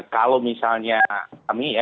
kalau misalnya kami ya